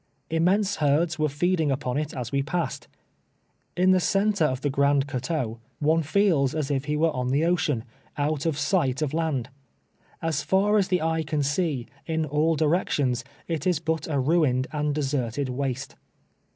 Immense herds were feeding upon it as we passed. In the centre of the Grand Coteau one feels as if he were on tlie ocean, out of sight of land. As far as the eye can see, in all directions, it is but a ruined and deserted waste.